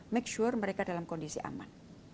make sure mereka dalam kondisi aman